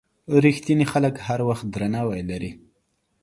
رښتیني خلک هر وخت درناوی لري.